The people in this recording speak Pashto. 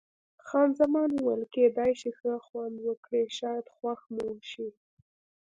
خان زمان وویل: کېدای شي ښه خوند وکړي، شاید خوښ مو شي.